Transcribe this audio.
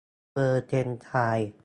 เปอร์เซ็นต์ไทล์